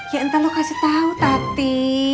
ya ntar lo kasih tau tati